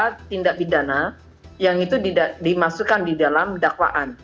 beberapa tindak bidana yang itu dimasukkan di dalam dakwaan